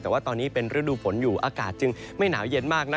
แต่ว่าตอนนี้เป็นฤดูฝนอยู่อากาศจึงไม่หนาวเย็นมาก